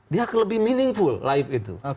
dia akan lebih meaningful live itu